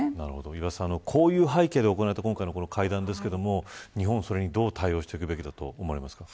岩田さん、こういう背景で行われた会談ですが日本はそれにどう対応していくべきですか。